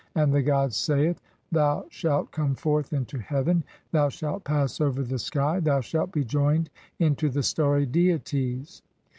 And the god saith :— (40) "Thou shalt come forth into heaven, thou shalt pass over "the skv, thou shalt be joined into the starry deities.